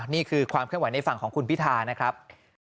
นี่คือความเคลื่อนไหวในฝั่งของคุณพิธานะครับ